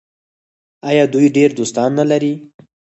آیا دوی ډیر دوستان نلري؟